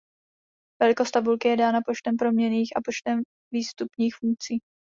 Velikost tabulky je dána počtem proměnných a počtem výstupních funkcí.